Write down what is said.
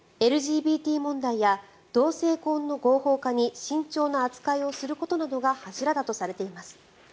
ＬＧＢＴ問題や同性婚の合法化に慎重な扱いをすることなどが柱だとされています。